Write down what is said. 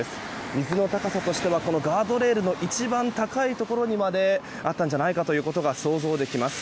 水の高さとしてはガードレールの一番高いところにまであったんじゃないかということが想像できます。